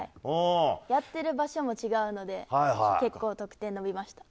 やってる場所も違うので結構得点が伸びました。